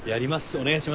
お願いします。